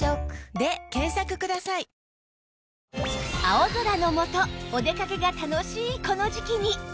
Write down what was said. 青空の下お出かけが楽しいこの時期に